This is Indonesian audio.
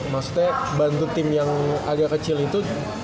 maksudnya bantu tim yang agak kecil itu